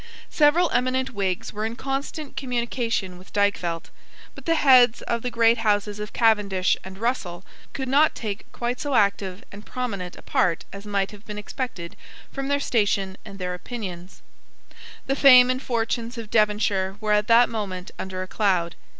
Several eminent Whigs were in constant communication with Dykvelt: but the heads of the great houses of Cavendish and Russell could not take quite so active and prominent a part as might have been expected from their station and their opinions, The fame and fortunes of Devonshire were at that moment under a cloud.